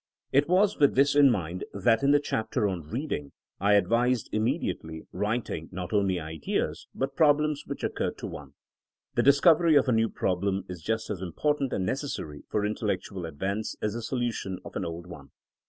It was with this in mind that in the chapter on reading I advised immediately writing not only ideas but prob lems which occurred to one. The discovery of a new problem is just as important and necessary for intellectual advance as the solution of an old one.